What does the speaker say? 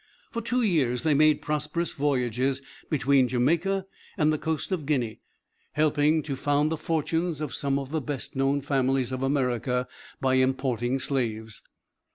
For two years they made prosperous voyages between Jamaica and the coast of Guinea, helping to found the fortunes of some of the best known families of America by importing slaves.